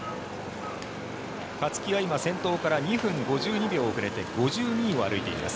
勝木は今、先頭から２分５２秒遅れて５２位を歩いています。